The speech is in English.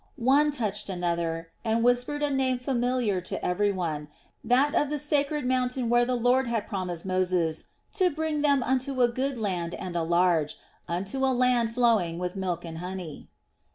One touched another, and whispered a name familiar to every one, that of the sacred mountain where the Lord had promised Moses to "bring them unto a good land and a large, unto a land flowing with milk and honey."